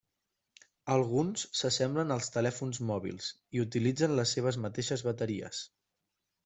Alguns s'assemblen als telèfons mòbils i utilitzen les seves mateixes bateries.